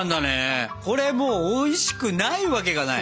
これもうおいしくないわけがない。